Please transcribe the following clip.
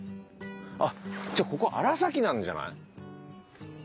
あっじゃあここ荒崎なんじゃない？